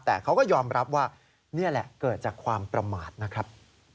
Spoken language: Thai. แต่เขาก็ยอมรับว่านี่แหละเกิดจากความประมาทนะครับ